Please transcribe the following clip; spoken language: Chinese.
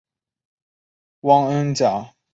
汪恩甲随后找到萧红。